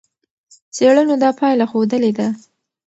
څېړنو دا پایله ښودلې ده.